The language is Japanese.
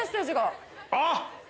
あっ！